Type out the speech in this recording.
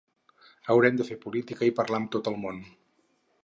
Haurem de fer política i parlar amb tot el món.